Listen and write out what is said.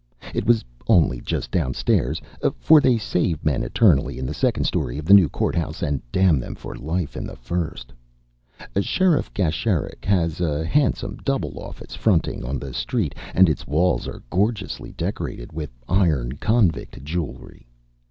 It was only just down stairs for they save men eternally in the second story of the new court house, and damn them for life in the first. Sheriff Gasheric has a handsome double office fronting on the street, and its walls are gorgeously decorated with iron convict jewelry.